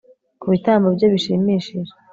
Kubitambo bye bishimishije